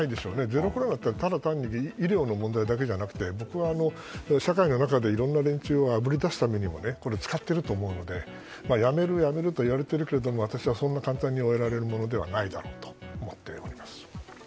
ゼロコロナって医療の問題だけじゃなくて僕は、社会の中でいろいろな連中をあぶりだすためにも使っていると思うのでやめるといわれているけれどもそんな簡単に終えられるものではないだろうと思っております。